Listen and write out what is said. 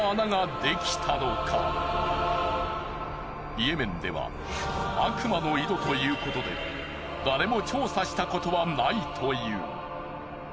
イエメンでは悪魔の井戸ということで誰も調査したことはないという。